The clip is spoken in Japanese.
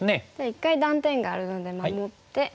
一回断点があるので守って。